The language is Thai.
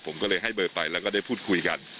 ผมก็เลยให้เบอร์ไปแล้วก็ได้พูดคุยกัน